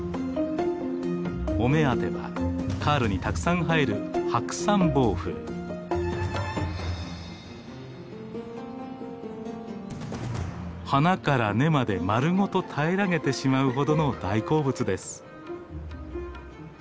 お目当てはカールにたくさん生える花から根まで丸ごと平らげてしまうほどの大好物です。